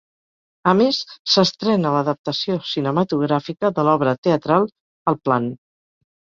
A més, s’estrena l’adaptació cinematogràfica de l’obra teatral El plan.